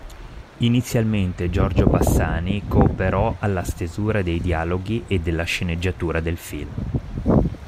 Inizialmente Giorgio Bassani cooperò alla stesura dei dialoghi e della sceneggiatura del film.